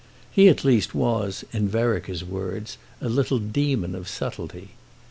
He at least was, in Vereker's words, a little demon of subtlety.